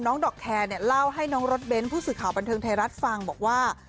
ดอกแคร์เนี่ยเล่าให้น้องรถเบ้นผู้สื่อข่าวบันเทิงไทยรัฐฟังบอกว่า